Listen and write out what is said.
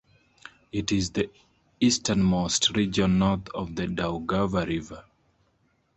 It is the easternmost region north of the Daugava River.